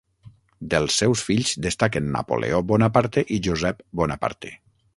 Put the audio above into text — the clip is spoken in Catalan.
Dels seus fills destaquen Napoleó Bonaparte i Josep Bonaparte.